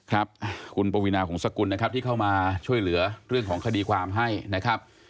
ครับคุณปวีนาหงษกุลนะครับที่เข้ามาช่วยเหลือเรื่องของคดีความให้นะครับ